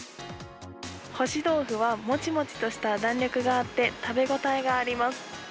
干し豆腐はもちもちとした弾力があって、食べ応えがあります。